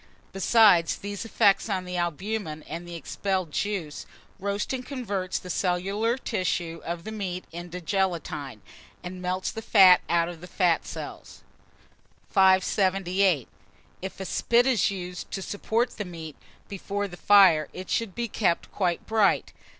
Besides these effects on the albumen and the expelled juice, roasting converts the cellular tissue of the meat into gelatine, and melts the fat out of the fat cells. 578. IF A SPIT is used to support the meat before the fire, it should be kept quite bright.